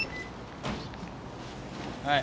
はい。